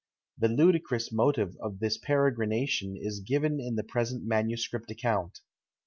The ludicrous motive of this peregrination is given in the present manuscript account.